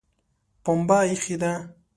پمبه ایښې ده